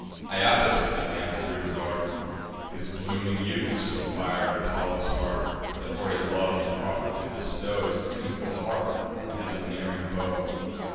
Iapis was at hand to prove his art, Whose blooming youth so fir'd Apollo's heart, That, for his love, he proffer'd to bestow His tuneful harp and his unerring bow.